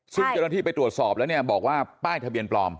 ซึ่งเจ้าหน้าที่ไปตรวจสอบแล้วเนี่ยบอกว่าป้ายทะเบียนปลอม